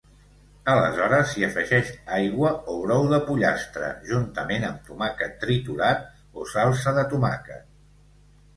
Aleshores s'hi afegeix aigua o brou de pollastre juntament amb tomàquet triturat o salsa de tomàquet.